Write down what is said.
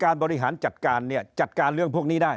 บริหารจัดการเนี่ยจัดการเรื่องพวกนี้ได้